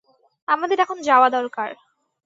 আমাদের এখন যাওয়া দরকার।